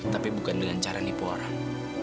tapi bukan dengan cara nipu orang